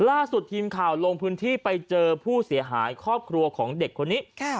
ล่าสุดทีมข่าวลงพื้นที่ไปเจอผู้เสียหายครอบครัวของเด็กคนนี้